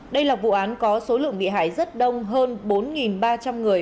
đây là vụ án có số lượng nghị hải rất đông hơn bốn ba trăm linh người